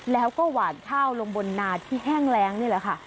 แล้วก็หวานข้าวลงบนนาที่แห้งแรงนี่แหละค่ะ